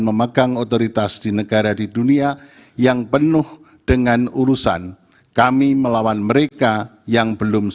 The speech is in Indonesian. pertama dianggap telah dibacakan